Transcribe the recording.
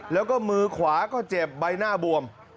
แล้วก็มือขวาก็เจ็บใบหน้าบวม